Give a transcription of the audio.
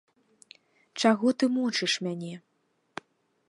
Чаго ты мучыш мяне?